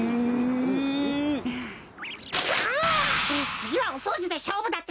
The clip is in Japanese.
つぎはおそうじでしょうぶだってか。